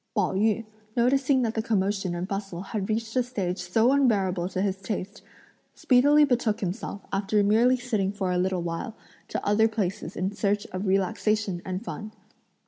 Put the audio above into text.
Pao yü, noticing that the commotion and bustle had reached a stage so unbearable to his taste, speedily betook himself, after merely sitting for a little while, to other places in search of relaxation and fun.